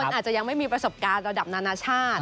อาจจะยังไม่มีประสบการณ์ระดับนานาชาติ